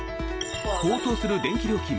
高騰する電気料金。